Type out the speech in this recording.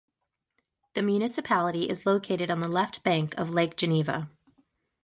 The municipality is located on the left bank of Lake Geneva.